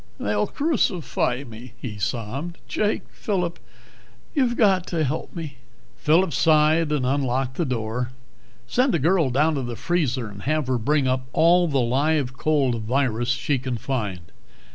"They'll crucify me!" he sobbed. "Jake Phillip you've got to help me." Phillip sighed and unlocked the door. "Send a girl down to the freezer and have her bring up all the live cold virus she can find.